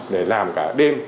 để làm cả đêm